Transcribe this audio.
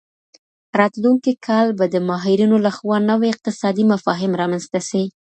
راتلونکی کال به د ماهرينو لخوا نوي اقتصادي مفاهيم رامنځته سي.